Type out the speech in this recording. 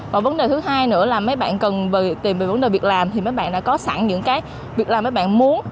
và vấn đề thứ hai nữa là mấy bạn cần tìm về vấn đề việc làm thì mấy bạn đã có sẵn những cái việc làm mấy bạn muốn